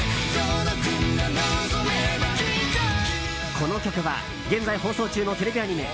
この曲は現在放送中のテレビアニメ